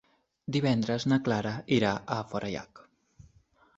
Divendres na Clara irà a Forallac.